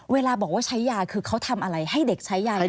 เวลาบอกว่าใช้ยาคือเขาทำอะไรให้เด็กใช้ยา